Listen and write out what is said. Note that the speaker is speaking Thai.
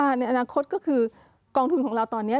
ในอนาคตก็คือกองทุนของเราตอนนี้